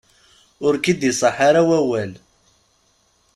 Ur k-id-iṣaḥ ara wawal.